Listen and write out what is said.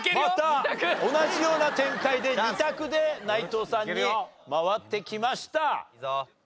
また同じような展開で２択で内藤さんに回ってきました。